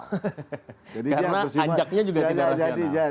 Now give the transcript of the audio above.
karena ajaknya juga tidak rasional